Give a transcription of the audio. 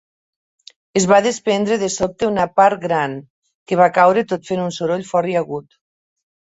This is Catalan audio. Es va desprendre de sobte una part gran, que va caure tot fent un soroll fort i agut.